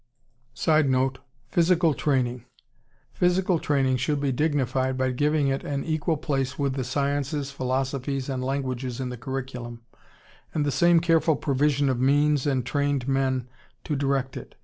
[Sidenote: Physical training.] Physical training should be dignified by giving it an equal place with the sciences, philosophies, and languages in the curriculum, and the same careful provision of means and trained men to direct it.